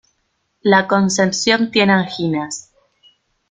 La Concepción tiene anginas.